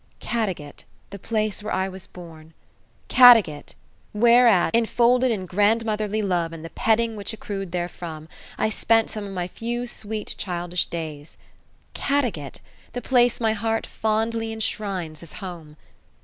Caddagat, the place where I was born! Caddagat, whereat, enfolded in grandmotherly love and the petting which accrued therefrom, I spent some of my few sweet childish days. Caddagat, the place my heart fondly enshrines as home.